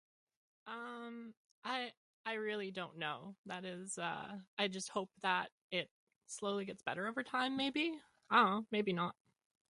Um, I I really don't know. That is uh, I just hope that it slowly gets better over time, maybe. I dunno, maybe not.